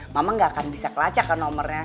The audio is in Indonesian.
mama gak akan bisa kelacakan nomornya